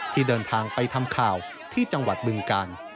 ที่เดินทางไปทำข่าวที่จังหวัดบึงกาล